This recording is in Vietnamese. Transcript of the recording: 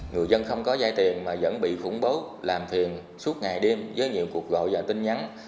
người dân không có dây tiền mà vẫn bị khủng bố làm thiền suốt ngày đêm với nhiều cuộc gọi và tin nhắn